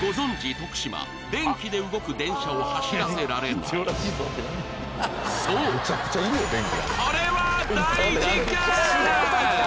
徳島電気で動く電車を走らせられないそうこれは大事ケーン！